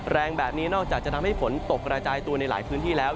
แรงแบบนี้นอกจากจะทำให้ฝนตกกระจายตัวในหลายพื้นที่แล้ว